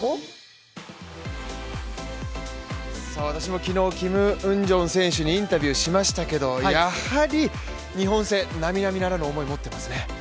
私も昨日、キム・ウンジョン選手にインタビューしましたけどやはり日本戦、なみなみならぬ思いを持ってますね。